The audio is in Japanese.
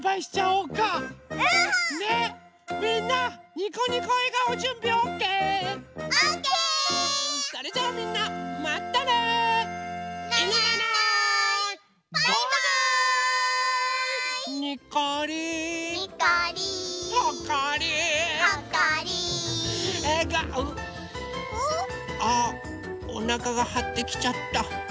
う？あっおなかがはってきちゃった。